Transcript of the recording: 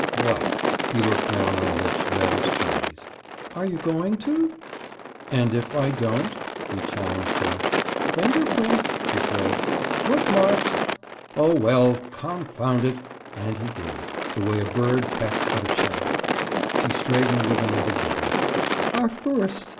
"What?" He looked down on lips red as cherries. "Are you going to?" "And if I don't?" he challenged her. "Finger prints!" she said. "Footmarks!" "Oh, well! Confound it." And he did—the way a bird pecks at a cherry. She straightened with another giggle. "Our first!"